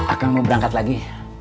akang mau berangkat lagi